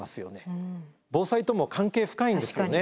防災とも関係深いんですよね。